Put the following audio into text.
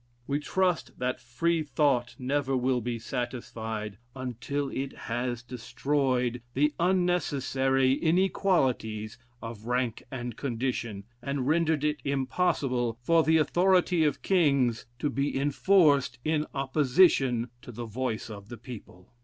We trust that Free thought never will be satisfied until it has destroyed the unnecessary inequalities of rank and condition, and rendered it impossible for the authority of kings to be enforced in opposition to the voice of the people.